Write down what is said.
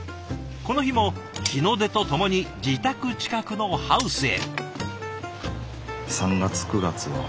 この日も日の出とともに自宅近くのハウスへ。